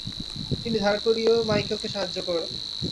তিনি ধার করেও মাইকেলকে সাহায্য করেন।